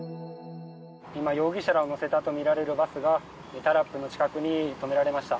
今、容疑者らを乗せたとみられるバスがタラップの近くに止められました。